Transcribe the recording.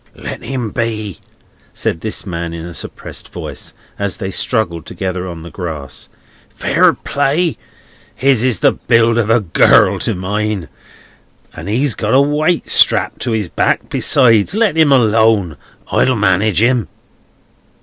"Let him be!" said this man in a suppressed voice, as they struggled together on the grass. "Fair play! His is the build of a girl to mine, and he's got a weight strapped to his back besides. Let him alone. I'll manage him."